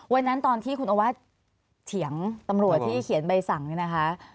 วันนั้นตอนที่คุณอวัฒน์เถียงตำรวจที่เขียนใบสั่งนี่นะคะ